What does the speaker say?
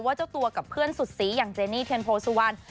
เจ้าตัวกับเพื่อนสุดสีอย่างเจนี่เทียนโพสุวรรณ